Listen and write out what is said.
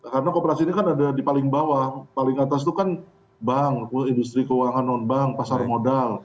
karena koperasi ini kan ada di paling bawah paling atas itu kan bank industri keuangan non bank pasar modal